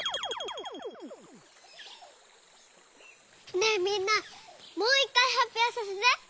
ねえみんなもういっかいはっぴょうさせて。